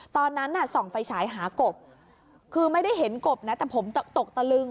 ตอนนั้นน่ะส่องไฟฉายหากบคือไม่ได้เห็นกบนะแต่ผมตกตะลึง